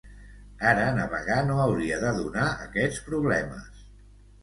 Ara navegar no hauria de donar aquests problemes.